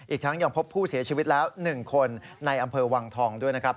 อีกทั้งยังพบผู้เสียชีวิตแล้ว๑คนในอำเภอวังทองด้วยนะครับ